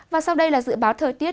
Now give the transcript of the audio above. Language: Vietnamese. và sau đây là dự báo thời tiết